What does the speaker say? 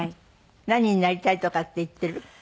何になりたいとかって言ってる？